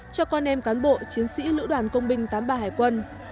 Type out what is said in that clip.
cho con em cán bộ chiến sĩ lữ đoàn công binh tám mươi ba hải quân